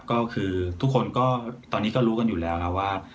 ก็คือทุกคนก็ตอนนี้ก็รู้กันอยู่แล้วนะว่า